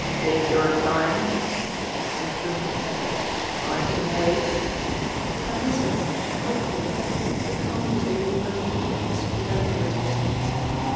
"Take your time," said Mr. Cathro, grimly, "I can wait," and this had such a helpful effect that Tommy was able presently to speak up for his misdeeds.